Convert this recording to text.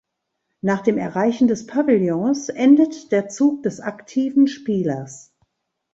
Nach dem Erreichen des Pavillons endet der Zug des aktiven Spielers.